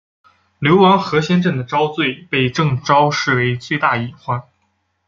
流亡河仙镇的昭最被郑昭视为最大隐患。